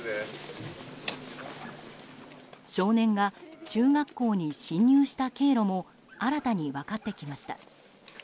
少年が中学校に侵入した経路も新たに分かってきました。